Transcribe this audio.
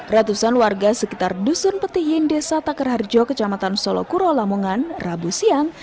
ratusan warga sekitar dusun petihin desa taker harjo kecamatan solokuro lamongan rabu siang